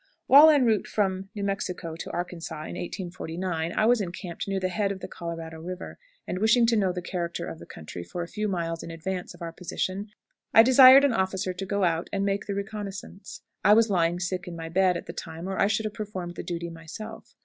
While en route from New Mexico to Arkansas in 1849 I was encamped near the head of the Colorado River, and wishing to know the character of the country for a few miles in advance of our position, I desired an officer to go out and make the reconnoissance. I was lying sick in my bed at the time, or I should have performed the duty myself.